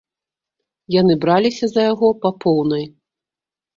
Яны браліся за яго па поўнай.